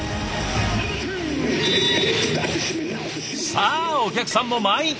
さあお客さんも満員！